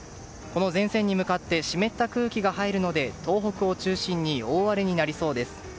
この前線に向かって湿った空気が入るので東北を中心に大荒れになりそうです。